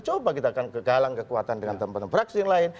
coba kita akan kegalang kekuatan dengan tempat tempat beraksi yang lain